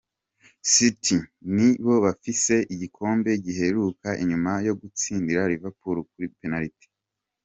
City ni bo bafise igikombe giheruka inyuma yo gutsinda Liverpool kuri penalty.